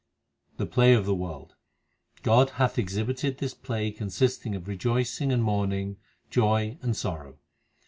The play of the world : God hath exhibited this play consisting of rejoicing and mourning, joy, and sorrow.